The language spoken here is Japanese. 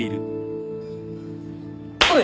おい！